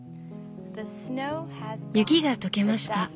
「雪が解けました！